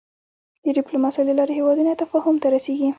د د ډيپلوماسی له لارې هېوادونه تفاهم ته رسېږي.